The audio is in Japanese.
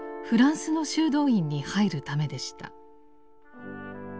フランスの修道院に入るためでした。